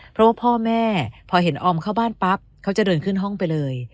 เพราะว่าพ่อแม่พอเห็นออมเข้าบ้านปั๊บเขาจะเดินขึ้นห้องไปเลย